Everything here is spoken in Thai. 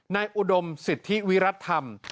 นายอุดมสิทธิวิรัตน์ธรรม